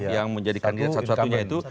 yang menjadi kandidat satu satunya itu